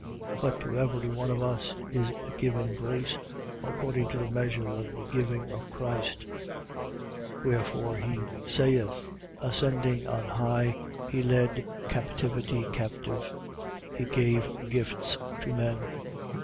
But to every one of us is given grace, according to the measure of the giving of Christ. 4:8. Wherefore he saith: Ascending on high, he led captivity captive: he gave gifts to men. 4:9.